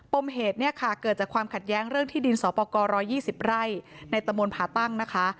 มเหตุเนี่ยค่ะเกิดจากความขัดแย้งเรื่องที่ดินสอปกร๑๒๐ไร่ในตะมนต์ผ่าตั้งนะคะ